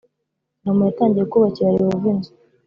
Salomo yatangiye kubakira Yehova inzu